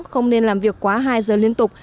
không nên làm việc quá hai giờ liên tục